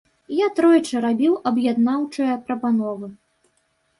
Я тройчы рабіў аб'яднаўчыя прапановы.